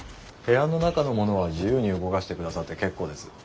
部屋の中のものは自由に動かしてくださって結構です。